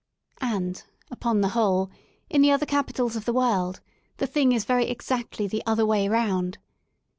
And, upon the whole^ in the other capitals of the world the thing is very exactly the other way round.